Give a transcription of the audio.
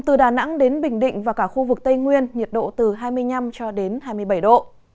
từ đà nẵng đến bình định và cả khu vực tây nguyên nhiệt độ từ hai mươi năm cho đến hai mươi bảy độ